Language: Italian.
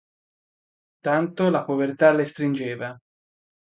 Tanto la povertà le stringeva.